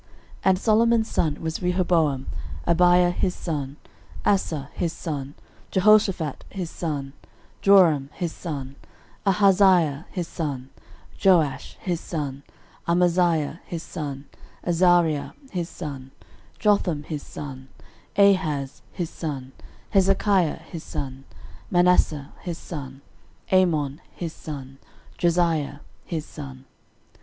13:003:010 And Solomon's son was Rehoboam, Abia his son, Asa his son, Jehoshaphat his son, 13:003:011 Joram his son, Ahaziah his son, Joash his son, 13:003:012 Amaziah his son, Azariah his son, Jotham his son, 13:003:013 Ahaz his son, Hezekiah his son, Manasseh his son, 13:003:014 Amon his son, Josiah his son.